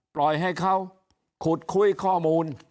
ปล่อยให้เขาขุดคุยข้อมูล